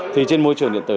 thì trên môi trường điện tử